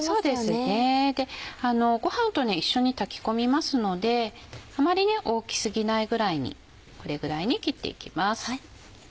そうですねご飯と一緒に炊き込みますのであまり大き過ぎないぐらいにこれぐらいに切っていきます。